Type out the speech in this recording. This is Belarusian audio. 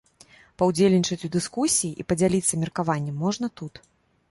Паўдзельнічаць у дыскусіі і падзяліцца меркаваннем можна тут.